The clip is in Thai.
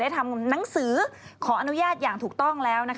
ทำหนังสือขออนุญาตอย่างถูกต้องแล้ว